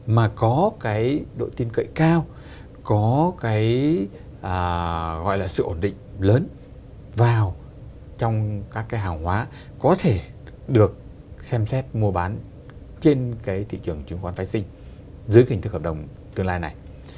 mà có cái độ tin cậy cao có cái gọi là sự ổn định lớn vào trong các cái hàng hóa có thể được xem xét mua bán trên cái thị trường chứng khoán phái sinh dưới cảnh thực hợp đồng tương lai này